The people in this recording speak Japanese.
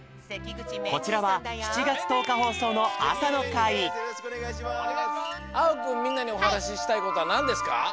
こちらは７がつ１０かほうそうのあさのかいあおくんみんなにおはなししたいことはなんですか？